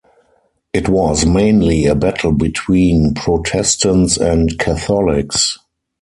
It was mainly a battle between Protestants and Catholics.